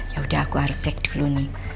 yaudah aku harus cek dulu nih